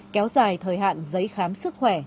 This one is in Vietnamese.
kéo dài thời hạn giấy khám sức khỏe